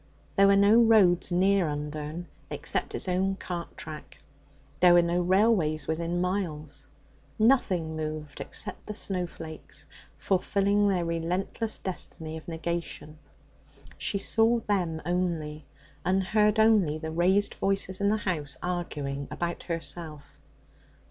There were no roads near Undern except its own cart track; there were no railways within miles. Nothing moved except the snow flakes, fulfilling their relentless destiny of negation. She saw them only, and heard only the raised voices in the house arguing about herself.